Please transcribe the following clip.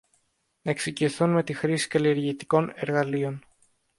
να εξοικειωθούν με τη χρήση καλλιεργητικών εργαλείων